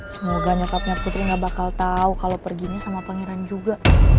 semoga nyokapnya putri ga bakal tau kalo perginya sama pangeran juga